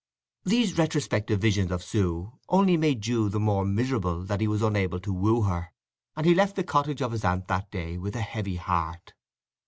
These retrospective visions of Sue only made Jude the more miserable that he was unable to woo her, and he left the cottage of his aunt that day with a heavy heart.